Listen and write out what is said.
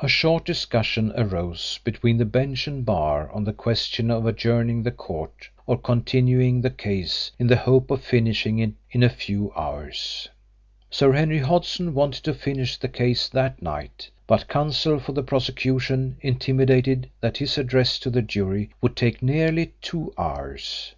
A short discussion arose between the bench and bar on the question of adjourning the court or continuing the case in the hope of finishing it in a few hours. Sir Henry Hodson wanted to finish the case that night, but Counsel for the prosecution intimated that his address to the jury would take nearly two hours.